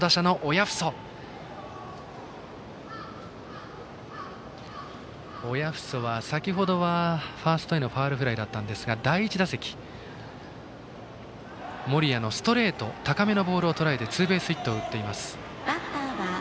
親富祖は先程はファーストへのファウルフライだったんですが第１打席、森谷のストレート高めのボールをとらえてツーベースヒットを打っています。